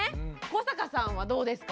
古坂さんはどうですか？